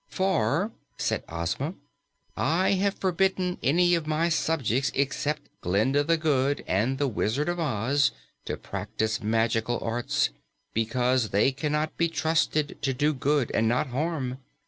"For," said Ozma, "I have forbidden any of my subjects except Glinda the Good and the Wizard of Oz to practice magical arts, because they cannot be trusted to do good and not harm.